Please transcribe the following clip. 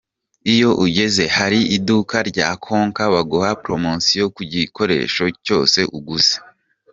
Iyo ugeze ahari iduka rya Konka baguha promosiyo ku gikoresho cyose uguze.